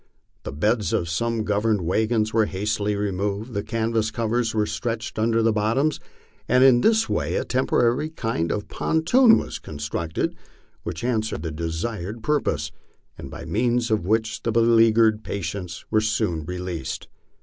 The beds of some gov ernment wagons were hastily removed, the canvas covers were stretched under the bottoms, and in this way a temporary kind of pontoon was constructed which answered the desired purpose, and by means of which the beleaguered patients were soon released.